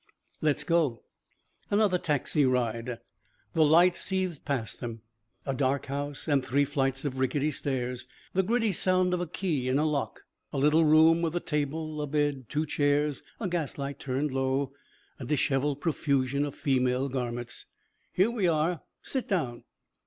"Let's go." Another taxi ride. The lights seethed past him. A dark house and three flights of rickety stairs. The gritty sound of a key in a lock. A little room with a table, a bed, two chairs, a gas light turned low, a disheveled profusion of female garments. "Here we are. Sit down."